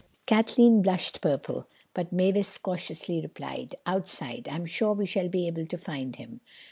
Kathleen blushed purple, but Mavis cautiously replied, "Outside. I'm sure we shall be able to find him."